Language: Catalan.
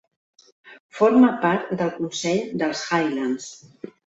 Forma part del consell dels Highlands.